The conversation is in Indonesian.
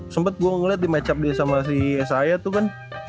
sempat gue ngeliat di match up dia sama si saya tuh kan